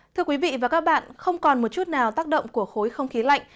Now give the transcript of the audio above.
thưa quý vị và các bạn không còn một chút nào tác động của khối không khí lạnh